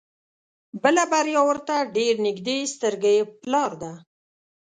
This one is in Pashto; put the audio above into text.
بله بريا ورته ډېر نيږدې سترګې په لار ده.